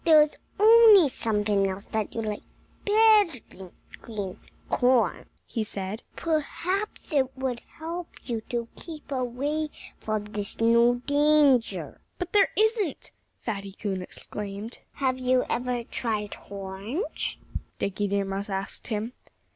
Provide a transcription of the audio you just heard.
"If there was only something else that you liked better than green corn," he said, "perhaps it would help you to keep away from this new danger." "But there isn't!" Fatty Coon exclaimed. "Have you ever tried horns?" Dickie Deer Mouse asked him.